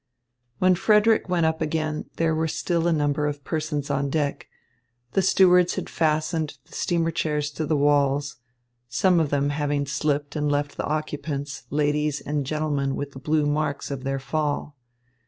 When Frederick went up again, there were still a number of persons on deck. The stewards had fastened the steamer chairs to the walls, some of them having slipped and left the occupants, ladies and gentlemen, with the blue marks of their fall.